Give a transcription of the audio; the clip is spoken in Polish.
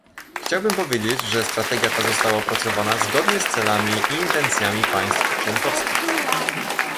Chciałbym powiedzieć, że strategia ta została opracowana zgodnie z celami i intencjami państw członkowskich